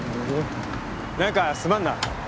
何かすまんな。